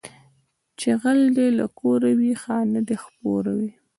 چې غل دې له کوره وي، خانه دې خپوره وي